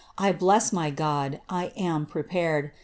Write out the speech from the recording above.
I bless my God, I am prepared.